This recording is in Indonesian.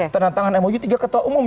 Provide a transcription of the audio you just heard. tandatangan moj tiga ketua umum